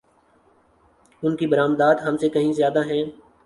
ان کی برآمدات ہم سے کہیں زیادہ ہیں۔